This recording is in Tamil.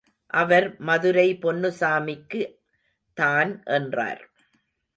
அவர் மதுரை பொன்னுசாமிக்கு தான் என்றார்.